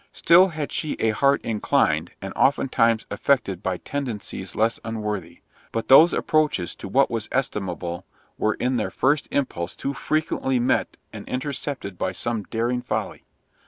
Still had she a heart inclined, and oftentimes affected by tendencies less unworthy; but those approaches to what was estimable, were in their first impulse too frequently met and intercepted by some darling folly.